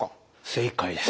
正解です。